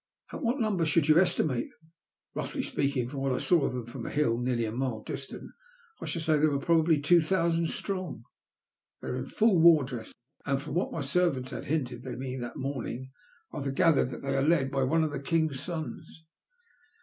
*' At what nomber should yoa estimate them ?'Boaghly speaking, from what I saw of them from a hill nearly a mile distant, I should say they were probably two thousand strong. They were in fall war dress, and from what my servants had hinted to me that morning, I gathered that they are led by one of the king's sons."